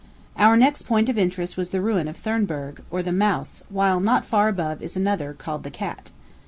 Our next point of interest was the ruin of Thurnberg, or the Mouse; while not far above is another, called the Cat.